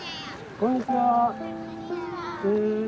こんにちは。